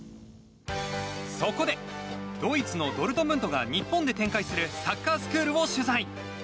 そこで、ドイツのドルトムントが日本で展開するサッカースクールを取材。